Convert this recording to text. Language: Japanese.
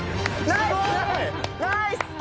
ナイス！